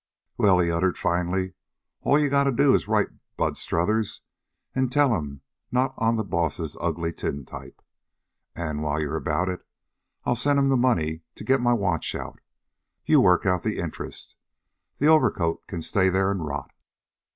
"Well," he uttered finally, "all you gotta do is write Bud Strothers, an' tell 'm not on the Boss's ugly tintype. An' while you're about it, I'll send 'm the money to get my watch out. You work out the interest. The overcoat can stay there an' rot."